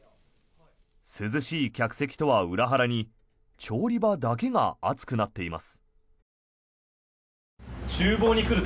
涼しい客席とは裏腹に調理場だけが暑くなっています。